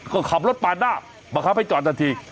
ก็ขับรถป่านหน้ามาขับให้จอดนัดที